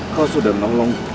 kau sudah menolong